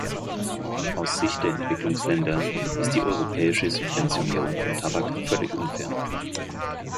Aus Sicht der Entwicklungsländer ist die europäische Subventionierung von Tabak völlig unfair.